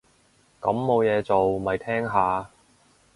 咁冇嘢做，咪聽下